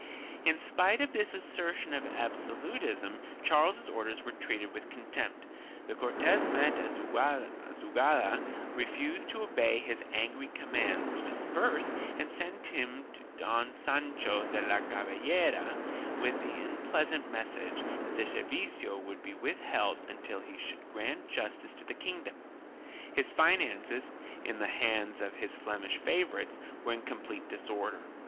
In spite of this assertion of absolutism, Charles's orders were treated with contempt. The Cortes met at Azuaga, refused to obey his angry commands to disperse and sent to him Don Sancho CHAP. V] STRUGGLE IN SAEAGOSSA .279 de la Caballeria with the unpleasant message that the servicio would be withheld until he should grant justice to the kingdom. His finances, in the hands of his Flemish favorites, were in com plete disorder.